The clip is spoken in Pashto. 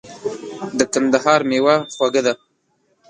د کندهار مېوه خوږه ده .